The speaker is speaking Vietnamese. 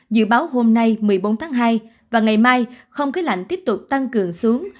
dự báo hôm nay một mươi bốn tháng hai và ngày mai không khí lạnh tiếp tục tăng cường xuống